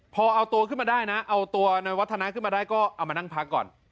พอเอาตัวขึ้นมาได้นะเอาตัวในวัฒนาขึ้นมาได้ก็เอามานั่งพักก่อน